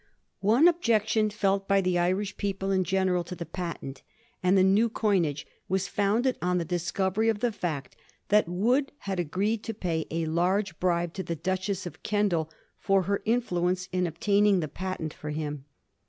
One objection felt by the Irish people in general to the patent and the new coinage, was founded on the discovery of the feet that Wood had agreed to pay a large bribe to the Duchess of Kendal for her influence in obtaining the patent for him.